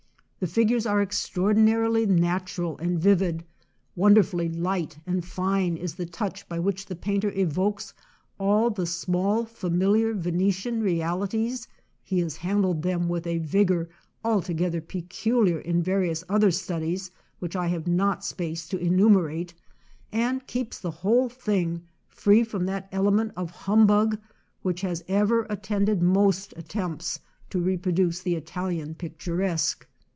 The figures are extraordinarily natural and vivid; wonderfully light and fine is the touch by which the painter evokes all the small familiar Venetian realities (he has handled them with a vigor altogether peculiar in various oth er studies which I have not space to enu merate), and keeps the whole thing free from that element of humbug which has ever attended most attempts to reproduce the Italian picturesque.